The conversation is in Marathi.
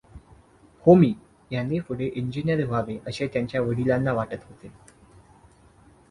होमी यांनी पुढे इंजिनियर व्हावे असे त्यांच्या वडिलांना वाटत होते.